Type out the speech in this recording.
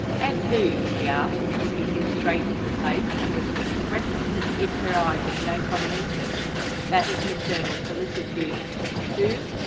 "As who?" she asks, looking him straight in the face, and with an expression in her eyes of no common interest that of maternal solicitude. "Who?